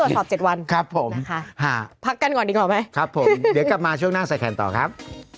เอ้ารองเข้าตัวสอบ๗วันพักกันก่อนดีกว่าไหมครับผมเดี๋ยวกลับมาช่วงหน้าใส่แขนต่อครับ